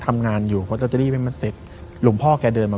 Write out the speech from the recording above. ทำงานอยู่เพราะจะรีบให้มันเสร็จหลวงพ่อแกเดินมา